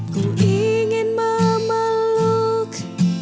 ku ingin memeluk